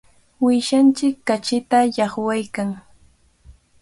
Uyshanchik kachita llaqwaykan.